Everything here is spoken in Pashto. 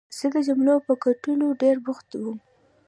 زه د جملو پر کټلو ډېر بوخت وم.